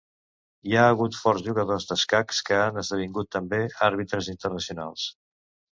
Hi ha hagut forts jugadors d'escacs que han esdevingut també àrbitres internacionals.